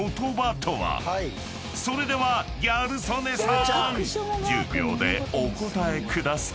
［それではギャル曽根さーん１０秒でお答えください］